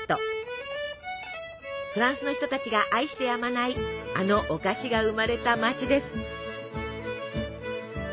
フランスの人たちが愛してやまないあのお菓子が生まれた街です。